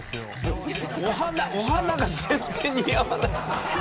お花が全然似合わない。